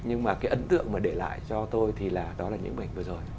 nhưng mà cái ấn tượng mà để lại cho tôi thì là đó là những bức ảnh vừa rồi